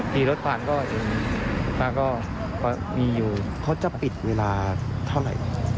ขี่รถผ่านก็จริงป้าก็มีอยู่เขาจะปิดเวลาเท่าไหร่